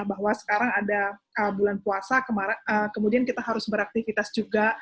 bahwa sekarang ada bulan puasa kemudian kita harus beraktivitas juga